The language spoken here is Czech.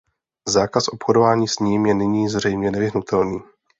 Zákaz obchodování s ním je nyní zřejmě nevyhnutelný.